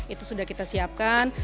itu sudah kita siapkan